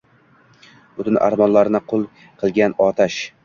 Butun armonlarni qul qilgan otash